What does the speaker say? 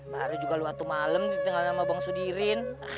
baru juga lu waktu malem ditinggalin sama bang sudirin